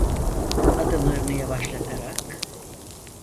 Adımlarını yavaşlatarak…